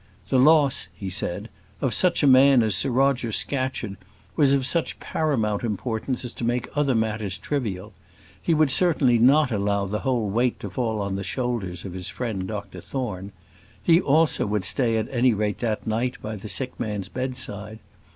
"The loss," he said, "of such a man as Sir Roger Scatcherd was of such paramount importance as to make other matters trivial. He would certainly not allow the whole weight to fall on the shoulders of his friend Dr Thorne: he also would stay at any rate that night by the sick man's bedside.